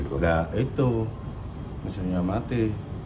nggak itu mesinnya mati